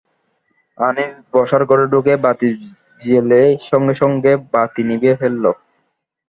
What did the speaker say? আনিস বসার ঘরে ঢুকে বাতি জ্বেলেই সঙ্গে-সঙ্গে বাতি নিভিয়ে ফেলল।